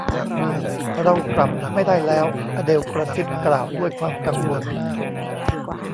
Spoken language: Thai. เรากลับไม่ได้แล้ว อเดลกระซิบกล่าวด้วยความกังวล